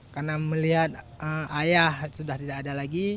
karena melihat ayah sudah tidak ada lagi